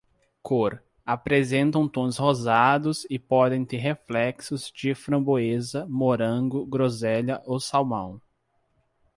Cor: apresentam tons rosados e podem ter reflexos de framboesa, morango, groselha ou salmão.